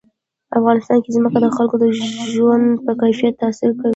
افغانستان کې ځمکه د خلکو د ژوند په کیفیت تاثیر کوي.